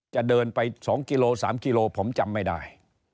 จะเดินไป๒กิโล๓กิโลผมจำไม่ได้